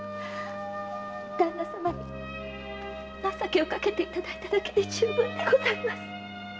旦那様に情けをかけていただいただけで充分でございます。